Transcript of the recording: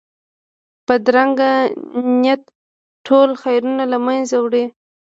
بدرنګه نیت ټول خیرونه له منځه وړي